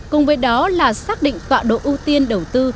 cùng với đó là xác định tọa độ ưu tiên đầu tư